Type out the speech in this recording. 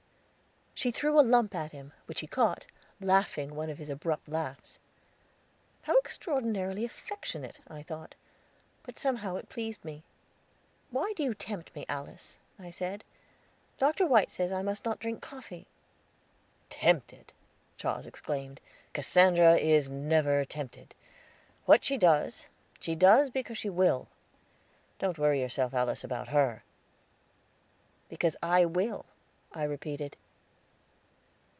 She threw a lump at him, which he caught, laughing one of his abrupt laughs. "How extraordinarily affectionate," I thought, but somehow it pleased me. "Why do you tempt me, Alice?" I said. "Doctor White says I must not drink coffee." "Tempted!" Charles exclaimed. "Cassandra is never tempted. What she does, she does because she will. Don't worry yourself, Alice, about her." "Because I will," I repeated.